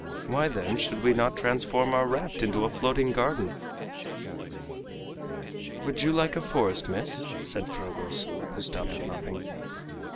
Why, then, should we not transform our raft into a floating garden?" "Would you like a forest, miss?" said Fragoso, who stopped at nothing.